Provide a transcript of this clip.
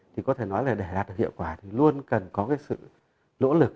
thì có thể nói là để đạt được hiệu quả thì luôn cần có cái sự nỗ lực